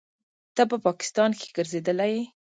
ته په پاکستان کښې ګرځېدلى يې.